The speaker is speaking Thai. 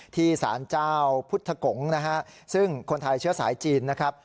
ที่สารเจ้าพุทธกงนะฮะซึ่งคนไทยเชื้อสายจีนนะครับ